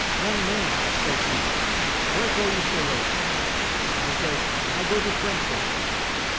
'Young man,' says he, 'where go you so late?' I says, 'I go to Frankfort.